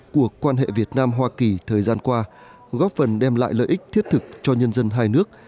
của quan hệ việt nam hoa kỳ thời gian qua góp phần đem lại lợi ích thiết thực cho nhân dân hai nước